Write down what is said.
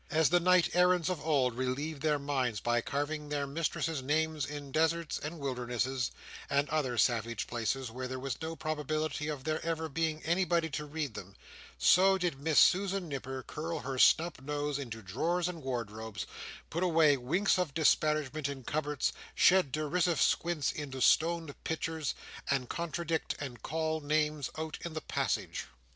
As the knight errants of old relieved their minds by carving their mistress's names in deserts, and wildernesses, and other savage places where there was no probability of there ever being anybody to read them, so did Miss Susan Nipper curl her snub nose into drawers and wardrobes, put away winks of disparagement in cupboards, shed derisive squints into stone pitchers, and contradict and call names out in the passage.